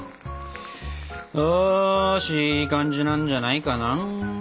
よしいい感じなんじゃないかな。